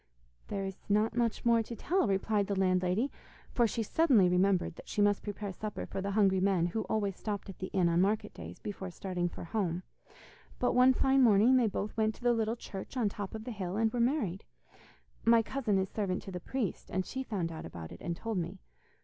'There is not much more to tell,' replied the landlady, for she suddenly remembered that she must prepare supper for the hungry men who always stopped at the inn on market days, before starting for home, 'but one fine morning they both went to the little church on top of the hill, and were married. My cousin is servant to the priest, and she found out about it and told me.